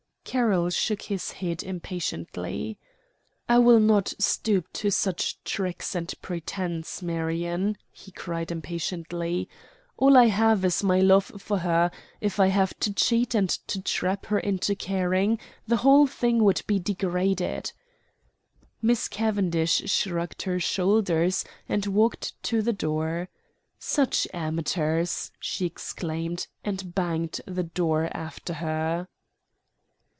Carroll shook his head impatiently. "I will not stoop to such tricks and pretence, Marion," he cried impatiently. "All I have is my love for her; if I have to cheat and to trap her into caring, the whole thing would be degraded." Miss Cavendish shrugged her shoulders and walked to the door. "Such amateurs!" she exclaimed, and banged the door after her.